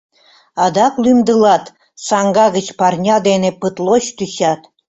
— Адак лӱмдылат? — саҥга гыч парня дене пытлоч тӱчат.